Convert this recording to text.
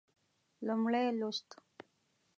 لومړی لوست